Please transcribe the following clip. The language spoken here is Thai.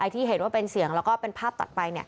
ที่เห็นว่าเป็นเสียงแล้วก็เป็นภาพตัดไป